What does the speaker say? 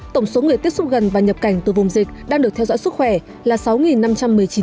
tổng số người tiếp xúc gần và nhập cảnh từ vùng dịch đang được theo dõi sức khỏe là sáu năm trăm một mươi chín người